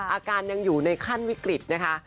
อาการยังอยู่ในขั้นวิกฤตนะคะ